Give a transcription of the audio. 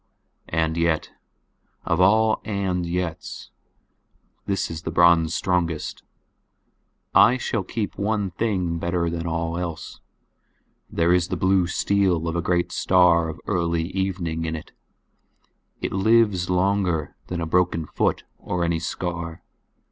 And yet—of all "and yets" this is the bronze strongest—I shall keep one thing better than all else; there is the blue steel of a great star of early evening in it; it lives longer than a broken foot or any scar.